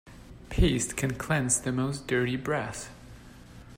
Paste can cleanse the most dirty brass.